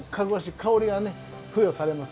香りが付与されます。